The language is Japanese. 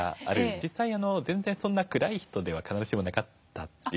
実際そんな暗い人では必ずしもなかったと。